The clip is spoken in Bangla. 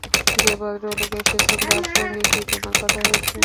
যে-ভদ্রলোক এসেছেন, তাঁর সঙ্গে কি তোমার কথা হয়েছে?